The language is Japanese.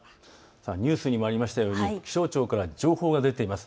ニュースにもありましたように気象庁から情報が出ています。